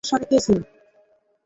ওর সাথে কে ছিল?